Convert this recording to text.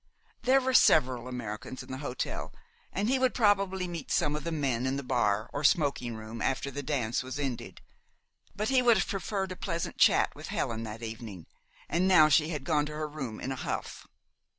There were several Americans in the hotel, and he would probably meet some of the men in the bar or smoking room after the dance was ended. But he would have preferred a pleasant chat with Helen that evening, and now she had gone to her room in a huff.